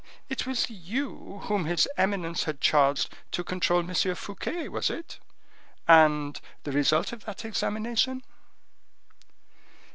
it was you whom his eminence had charged to control M. Fouquet, was it? And the result of that examination?"